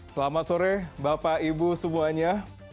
selamat sore bapak ibu semuanya